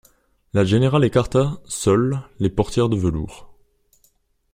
La générale écarta, seule, les portières de velours.